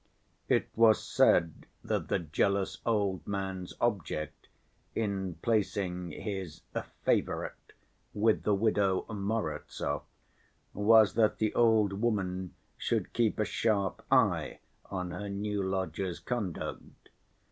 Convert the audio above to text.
It was said that the jealous old man's object in placing his "favorite" with the widow Morozov was that the old woman should keep a sharp eye on her new lodger's conduct.